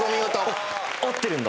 あっ合ってるんだ。